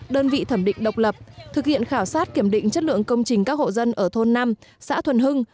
đơn vị thẩm định độc lập thực hiện khảo sát kiểm định chất lượng công trình các hộ dân ở thôn năm xã thuần hưng